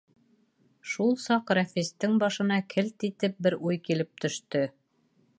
Шул саҡ Рәфистең башына «келт» итеп бер уй килеп төштө.